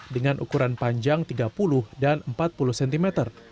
dengan ukuran panjang tiga puluh dan empat puluh cm